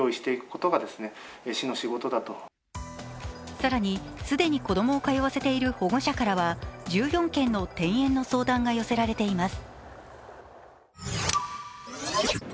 更に、既に子供を通わせている保護者からは１４件の転園の相談が寄せられています。